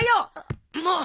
もう！